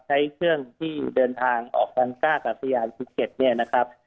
ใช้เครื่องที่เดินทางกับสยานสิบเท็จนะครับ